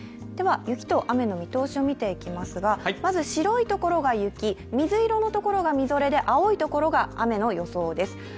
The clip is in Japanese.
雪と雨の見通しを見ていきますが、まず白いところが雪、水色のところがみぞれで青いところが雨の予想です。